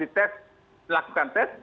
ditest melakukan tes